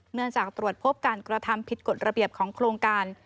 เนื่องจากตรวจพบการกระทำผิดกฎระเบียบของโครงการ